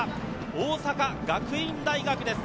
大阪学院大学です。